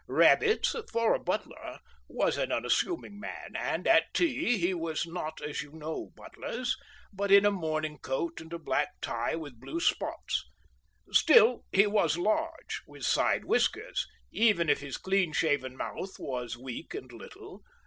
Rabbits, for a butler, was an unassuming man, and at tea he was not as you know butlers, but in a morning coat and a black tie with blue spots. Still, he was large, with side whiskers, even if his clean shaven mouth was weak and little.